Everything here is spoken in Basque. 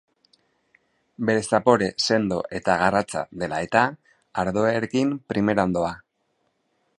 Bere zapore sendo eta garratza dela eta, ardoarekin primeran doa.